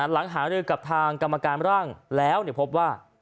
หลังหารือกับทางกรรมการร่างแล้วพบว่า